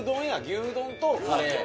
牛丼とカレー。